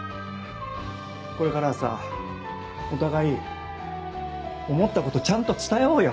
これからはさお互い思ったことちゃんと伝え合おうよ。